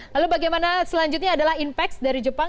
lalu bagaimana selanjutnya adalah inpex dari jepang